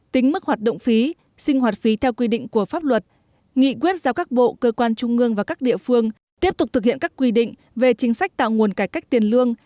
tính mức hoạt động phí sinh hoạt phí theo quy định của pháp luật nghị quyết giao các bộ cơ quan trung ương và các địa phương tiếp tục thực hiện các quy định về chính sách tạo nguồn cải cách tiền lương